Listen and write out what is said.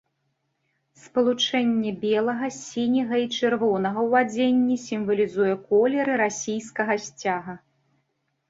Спалучэнне белага, сіняга і чырвонага ў адзенні сімвалізуе колеры расійскага сцяга.